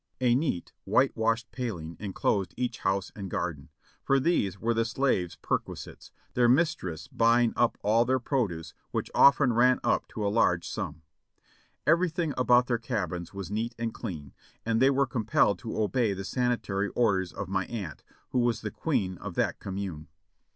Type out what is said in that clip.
A neat white washed paling enclosed each house and garden, for these were the slaves' perquisites, their mistress buying up all their produce, which often ran up to a large sum. Everything about their cabins was neat and clean, and they were compelled to obey the sanitary orders of my aunt, who was the queen of that com mune.